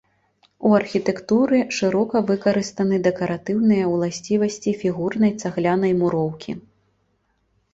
У архітэктуры шырока выкарыстаны дэкаратыўныя ўласцівасці фігурнай цаглянай муроўкі.